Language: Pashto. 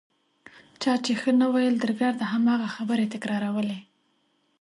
چا چې ښه نه ویل درګرده هماغه خبرې تکرارولې.